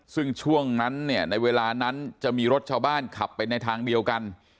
ซึ่งช่วงนั้นเนี่ยในเวลานั้นจะมีรถชาวบ้านขับไปในทางเดียวกัน